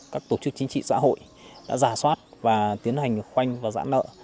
các tổ chức chính trị xã hội đã giả soát và tiến hành khoanh và giãn nợ